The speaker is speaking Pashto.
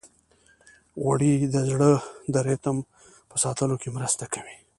غوړې د زړه د ریتم په ساتلو کې مرسته کوي.